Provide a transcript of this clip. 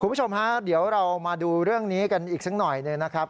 คุณผู้ชมฮะเดี๋ยวเรามาดูเรื่องนี้กันอีกสักหน่อยหนึ่งนะครับ